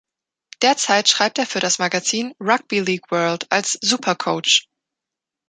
Derzeit schreibt er für das Magazin Rugby League World als 'Supercoach'.